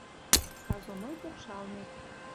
Казоной покшалнет